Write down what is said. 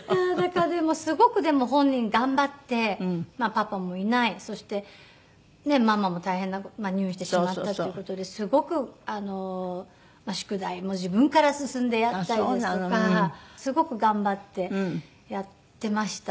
すごくでも本人頑張ってパパもいないそしてねえママも大変な入院してしまったという事ですごく宿題も自分から進んでやったりですとかすごく頑張ってやってました。